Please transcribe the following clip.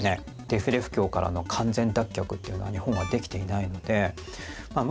デフレ不況からの完全脱却というのは日本はできていないのでまあ